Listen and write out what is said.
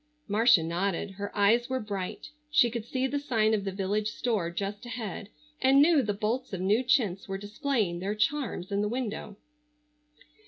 Marcia nodded. Her eyes were bright. She could see the sign of the village store just ahead and knew the bolts of new chintz were displaying their charms in the window.